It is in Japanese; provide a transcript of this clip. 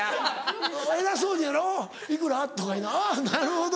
偉そうにやろ「いくら？あぁなるほど」。